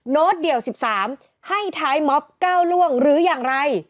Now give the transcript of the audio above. โน้ตเดี่ยว๑๓ให้ท้ายม็อบก้าวล่วงหรืออย่างไร